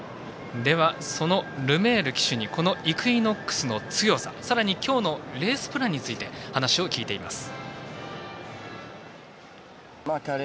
そのルメール騎手にこのイクイノックスの強ささらに今日のレースプランについて話を聞いています。